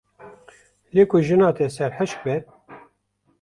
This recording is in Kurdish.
Lê ku jina te serhişk be.